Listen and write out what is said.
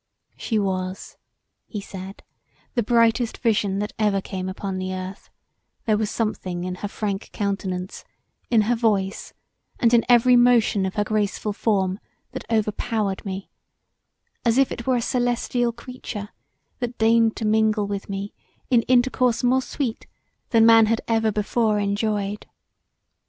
"She was["], he said, "the brightest vision that ever came upon the earth: there was somthing in her frank countenance, in her voice, and in every motion of her graceful form that overpowered me, as if it were a celestial creature that deigned to mingle with me in intercourse more sweet than man had ever before enjoyed.